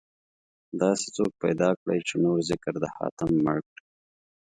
داسې څوک پيدا کړئ، چې نور ذکر د حاتم مړ کړي